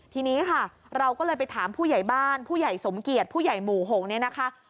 ทีนี้ค่ะเราก็เลยไปถามผู้ใหญ่บ้านผู้ใหญ่สมเกียจผู้ใหญ่หมู่๖เนี่ยนะคะ